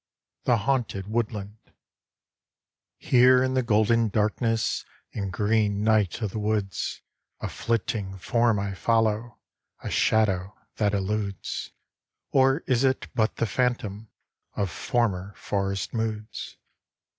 THE HAUNTED WOODLAND Here in the golden darkness And green night of the woods, A flitting form I follow, A shadow that eludes Or is it but the phantom Of former forest moods?